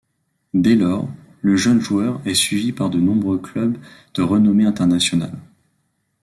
Dès lors, le jeune joueur est suivi par de nombreux clubs de renommée internationale.